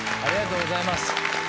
ありがとうございます。